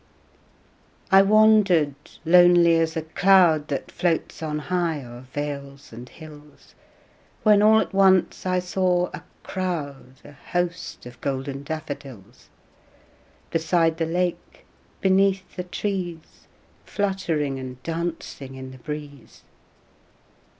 I wandered lonely as a cloud That floats on high o'er vales and hills, When all at once I saw a crowd, A host of golden daffodils: Beside the lake, beneath the trees, Fluttering and dancing in the breeze.